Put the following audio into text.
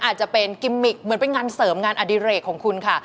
อาจจะเป็นกิมมิกเหมือนเป็นงานเสริมงานอดิเรกของคุณค่ะ